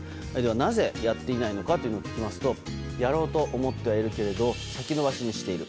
なぜやっていないのかを聞きますとやろうと思ってはいるけれど先延ばしにしている。